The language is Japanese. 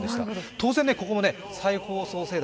当然、ここも再放送世代